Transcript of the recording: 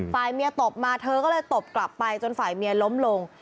ฝ่ายเมียตบมาเธอก็เลยตบกลับไปจนฝ่ายเมียล้มลง